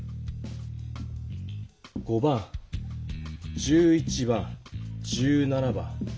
５番１１番１７番。